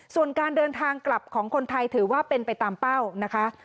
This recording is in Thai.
ส่วนการเดินทางกลับของคนไทยถือว่าเป็นไปตามเป้านะคะ